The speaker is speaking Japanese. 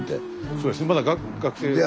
そうですねまだ学生はね。